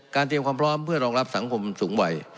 เตรียมความพร้อมเพื่อรองรับสังคมสูงวัย